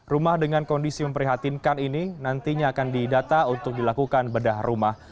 rumah dengan kondisi memprihatinkan ini nantinya akan didata untuk dilakukan bedah rumah